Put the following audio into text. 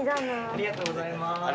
ありがとうございます。